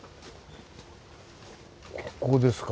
ここですか。